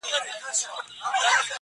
زاړه خبري بيا راژوندي کيږي,